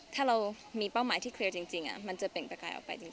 ถ้าเรามีเป้าหมายที่เคลียร์จริงมันจะเปล่งประกายออกไปจริง